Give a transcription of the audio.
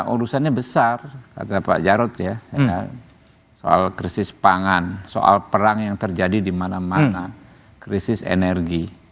urusannya besar kata pak jarod ya soal krisis pangan soal perang yang terjadi di mana mana krisis energi